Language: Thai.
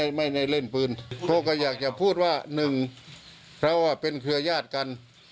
ไม่ได้เล่นปืนเขาก็อยากจะพูดว่าหนึ่งเพราะว่าเป็นเครือญาติกัน